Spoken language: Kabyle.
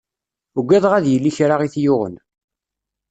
Uggadeɣ ad yili kra i t-yuɣen.